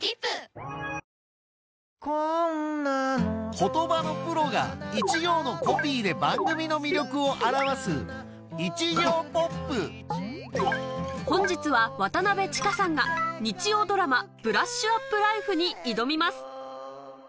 言葉のプロが一行のコピーで番組の魅力を表す本日は渡邊千佳さんが日曜ドラマ『ブラッシュアップライフ』に挑みます